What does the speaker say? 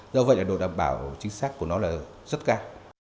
do vậy là độ đảm bảo chính xác của nó là rất cao